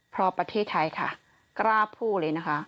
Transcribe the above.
เพราะประเทศไทยค่ะกล้าพูดเลยนะคะ